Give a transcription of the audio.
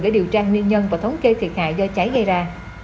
để điều tra nguyên nhân và thống kê thiệt hại do cháy gây ra